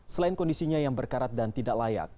selain kondisinya yang berkarat dan tidak layak